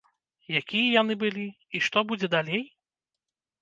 Якія яны былі і што будзе далей?